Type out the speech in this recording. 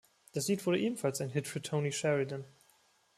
Das Lied wurde ebenfalls ein Hit für Tony Sheridan.